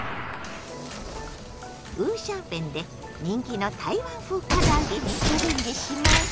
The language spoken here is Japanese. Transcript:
五香粉で人気の台湾風から揚げにチャレンジしましょ！